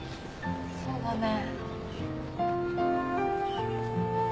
そうだね。